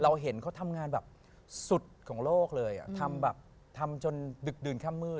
เราเห็นเขาทำงานแบบสุดของโลกเลยทำแบบทำจนดึกดื่นข้ามมืด